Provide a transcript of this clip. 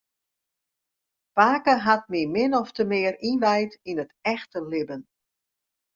Pake hat my min ofte mear ynwijd yn it echte libben.